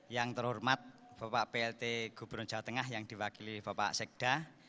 yang terhormat bapak plt gubernur jawa tengah yang diwakili bapak sekda